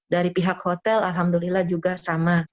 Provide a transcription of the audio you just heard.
dari pihak hotel alhamdulillah juga sama